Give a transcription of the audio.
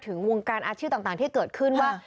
ถึงวงการอาชีพต่างที่เกิดขึ้นว่า